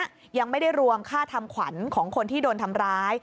ยังไม่ได้รวมค่าทำขวัญของคนที่โดนทำร้าย